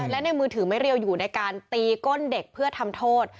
และในมือถือไม่เรียวอยู่ในการตีก้นเด็กเพื่อทำโทษ